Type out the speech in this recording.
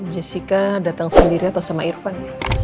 jessica datang sendiri atau sama irfan